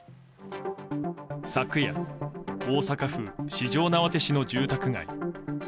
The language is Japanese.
昨夜、大阪府四條畷市の住宅街。